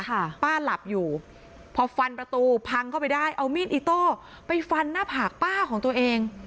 ป้าหลับอยู่พอฟันประตูพังเข้าไปได้เอามีดอิโต้ไปฟันหน้าผากป้าของตัวเอง